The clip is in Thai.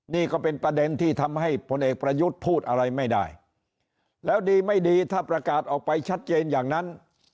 นี่ก็เป็นประเด็นที่ทำให้พลเอกประยุทธ์พูดอะไรไม่ได้แล้วดีไม่ดีถ้าประกาศออกไปชัดเจนอย่างนั้น